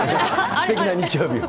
すてきな日曜日を。